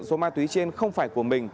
số ma túy trên không phải của mình